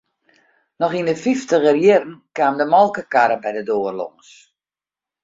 Noch yn 'e fyftiger jierren kaam de molkekarre by de doar lâns.